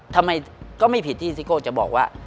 ทำไมก็ไม่ผิดที่ซิโก้จะบอกว่า